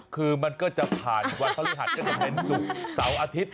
คือมันก็จะผ่านวันพฤหัสก็จะเป็นศุกร์เสาร์อาทิตย์